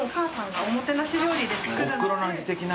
おふくろの味的な？